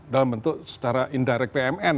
dalam bentuk secara indirect pmn